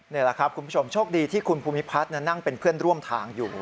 นี่แหละครับคุณผู้ชมโชคดีที่คุณภูมิพัฒน์นั่งเป็นเพื่อนร่วมทางอยู่